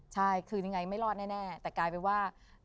ใช่คือยังไงไม่รอดแน่แต่กลายเป็นว่า